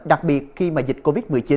đặc biệt khi mà dịch covid một mươi chín